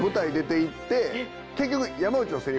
結局。